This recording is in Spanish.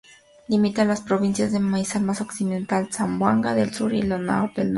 Limita con las provincias de Misamis Occidental, Zamboanga del Sur y Lanao del Norte.